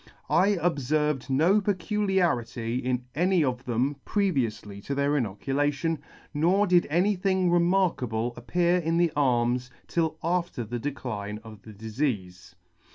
I obferved no peculiarity in any of them previoufly to their inoculation, nor did any thing remarkable appear in their arms till after the decline of the difeafe.